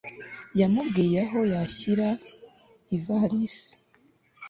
yamubwiye aho yashyira ivalisi